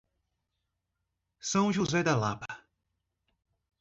São José da Lapa